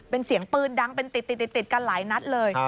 เป็นเสียงปืนดังเป็นติดกันหลายนัดเลย